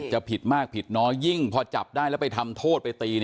ผิดมากผิดน้อยยิ่งพอจับได้แล้วไปทำโทษไปตี